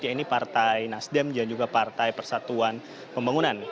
yaitu partai nasdem dan juga partai persatuan pembangunan